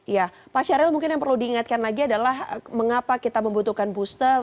ya pak syahril mungkin yang perlu diingatkan lagi adalah mengapa kita membutuhkan booster